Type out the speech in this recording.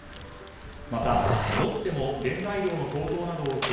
また、ロッテも原材料の高騰などを受け